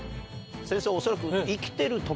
先生恐らく。